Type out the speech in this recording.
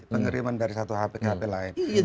pengiriman dari satu hp ke hp lain